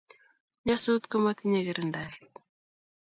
Nyasut komotinyei girindaet